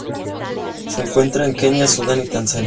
Se encuentra en Kenia, Sudán y Tanzania.